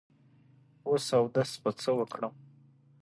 وس اودس په څۀ وکړم